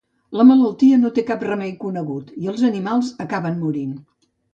La malaltia no té cap remei conegut i els animals acaben morint.